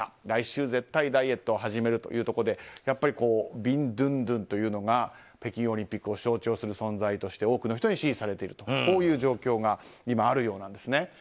来週絶対ダイエットを始めるということでビンドゥンドゥンというのが北京オリンピックを象徴する存在として多くの人に支持されているという状況が今あるようなんです。